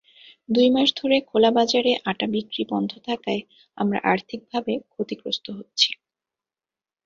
দুই মাস ধরে খোলাবাজারে আটা বিক্রি বন্ধ থাকায় আমরা আর্থিকভাবে ক্ষতিগ্রস্ত হচ্ছি।